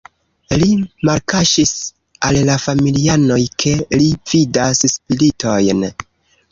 Li malkaŝis al la familianoj, ke li vidas spiritojn.